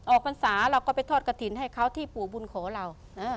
พรรษาเราก็ไปทอดกระถิ่นให้เขาที่ปู่บุญขอเรา